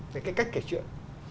về cách kể chuyện